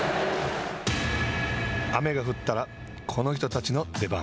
雨が降ったらこの人たちの出番。